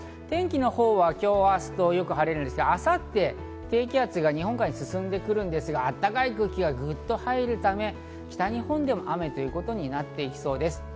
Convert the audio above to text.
天気のほうは今日、明日とよく晴れるんですが、明後日、低気圧が日本海に進んでくるんですが、あったかい空気がぐっと入るため、北日本で雨ということになってきそうです。